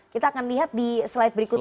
kita akan lihat di slide berikutnya